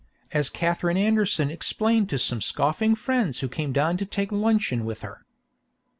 As Katherine Anderson explained to some scoffing friends who came down to take luncheon with her.